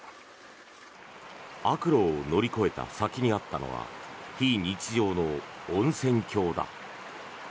悪路を乗り越えた先にあったのは、非日常の温泉郷だ。